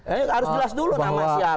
harus jelas dulu nama siapa